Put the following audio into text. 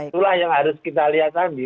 itulah yang harus kita lihat lagi